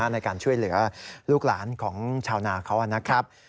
ในการช่วยเหลือลูกหลานของชาวนาเขานะครับ